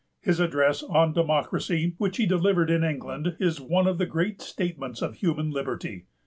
His address on Democracy, which he delivered in England, is one of the great statements of human liberty.